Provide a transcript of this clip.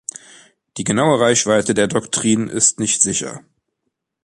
Die genaue Reichweite der Doktrin ist nicht sicher.